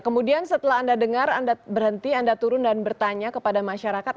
kemudian setelah anda dengar anda berhenti anda turun dan bertanya kepada masyarakat